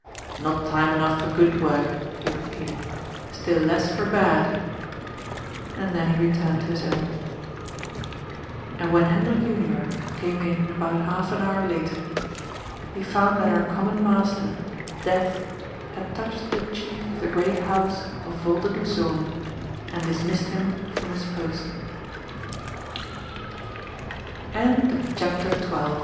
" Not time enough for good work," he repeated, " still less for bad." And then he returned to his own. And when Hendrik Junior came in about half an hour later, he found that our common master, Death, had touched the chief of the great house of ^'Yolderdoes Zonen," and dismissed him from hi